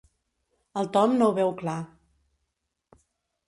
El Tom no ho veu clar.